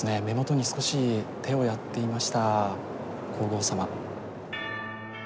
目元に少し手をやっていました皇后さま